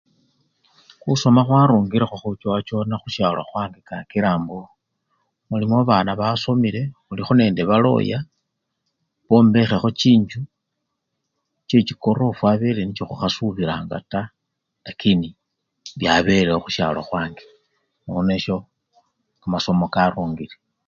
Khusoma khwarungilekho khuchowachowana khusyalo khwange kakila mbo, mulimo babana basomele, khulimo nende baloya bombekhelekho chinjju chechikorofwa abele nicho khukhasubilanga taa lakini byabelewo khusyalo khwange nono esyo, kamasomo karungile.